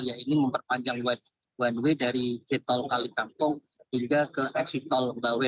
yaitu memperpanjang one way dari j tol kalikangkung hingga ke x tol mbawe